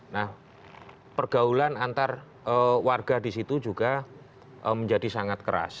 nah pergaulan antar warga di situ juga menjadi sangat keras